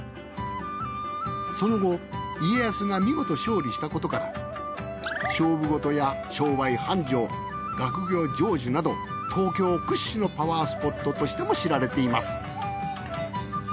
その後家康が見事勝利したことから勝負ごとや商売繁盛学業成就など東京屈指のパワースポットとしても知られています